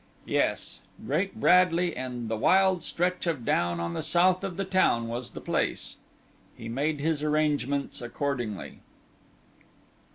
Yes, Great Bradley and the wild stretch of down on the south of the town was the place. He made his arrangements accordingly.